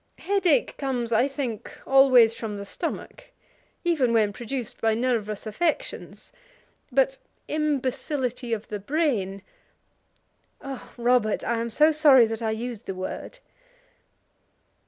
"Headache comes, I think, always from the stomach, even when produced by nervous affections. But imbecility of the brain " "Oh, Robert, I am so sorry that I used the word."